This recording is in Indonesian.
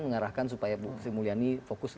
mengarahkan supaya bu sri mulyani fokus